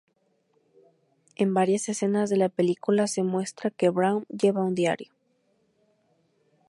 En varias escenas de la película se muestra que Brown lleva un diario.